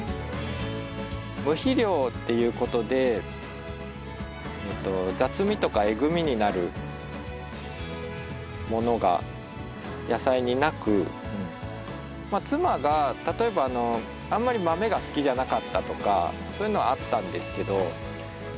無肥料っていうことで雑味とかえぐみになるものが野菜になく妻が例えばあんまりマメが好きじゃなかったとかそういうのはあったんですけど